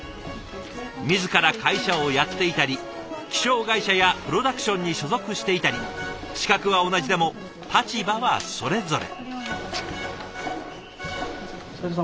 自ら会社をやっていたり気象会社やプロダクションに所属していたり資格は同じでも立場はそれぞれ。